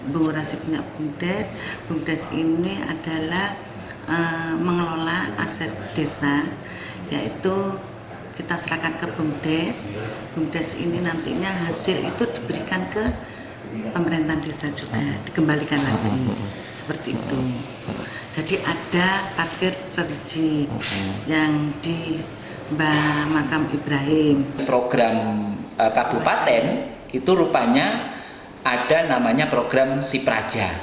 program kabupaten itu rupanya ada namanya program sipraja